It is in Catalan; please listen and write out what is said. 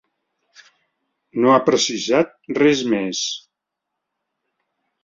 No ha precisat res més.